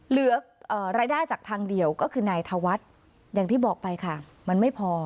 เหลือรายได้จากทางเดียวก็คือนายธวัฒน์อย่างที่บอกไปค่ะมันไม่พอ